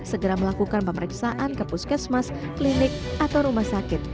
segera melakukan pemeriksaan ke puskesmas klinik atau rumah sakit